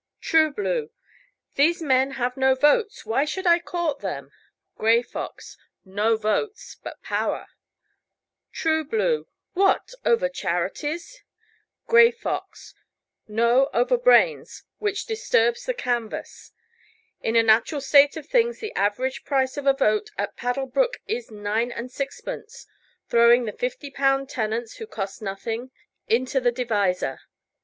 Trueblue. These men have no votes. Why should I court them? Grayfox. No votes, but power. Trueblue. What! over charities? Grayfox. No, over brains: which disturbs the canvass. In a natural state of things the average price of a vote at Paddlebrook is nine and sixpence, throwing the fifty pound tenants, who cost nothing, into the divisor.